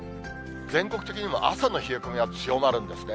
全国的にも朝の冷え込みが強まるんですね。